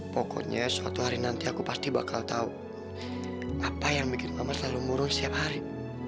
pokoknya suatu hari nanti aku pasti bakal tahu apa yang bikin mama selalu nurul setiap hari